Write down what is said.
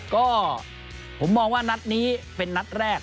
ก็ผมมองว่านัดนี้เป็นนัดแรก